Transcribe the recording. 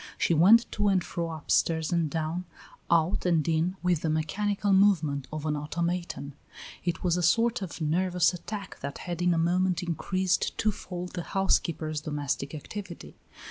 She went to and fro, upstairs and down, out and in, with the mechanical movement of an automaton. It was a sort of nervous attack that had in a moment increased twofold the housekeeper's domestic activity.